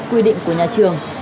quy định của nhà trường